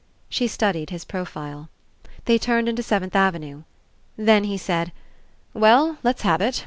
She studied his profile. They turned into Seventh Avenue. Then he said: "Well, let's have it.